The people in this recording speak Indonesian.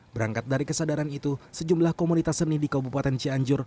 berangkat dari kesadaran itu sejumlah komunitas seni di kabupaten cianjur